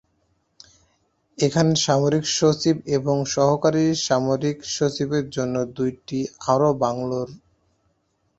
এখানে সামরিক সচিব এবং সহকারী সামরিক সচিবের জন্য রয়েছে আরও দুটি বাংলো।